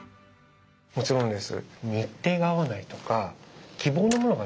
もちろんです。